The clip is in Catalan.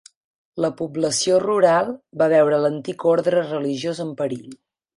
La població rural va veure l'antic orde religiós en perill.